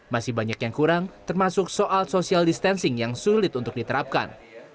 masih banyak yang kurang termasuk soal social distancing yang sulit untuk diterapkan